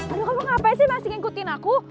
aduh kamu ngapain sih nasi ngikutin aku